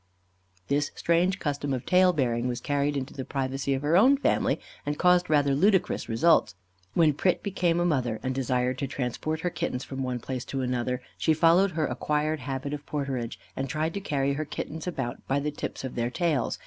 This strange custom of tail bearing was carried into the privacy of her own family, and caused rather ludicrous results. When Pret became a mother, and desired to transport her kittens from one place to another, she followed her acquired habit of porterage, and tried to carry her kittens about by the tips of their tails.